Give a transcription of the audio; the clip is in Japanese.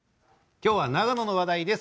今日は長野の話題です。